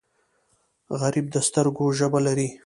غریب د سترګو ژبه لري